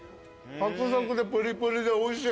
サクサクでプリプリでおいしい。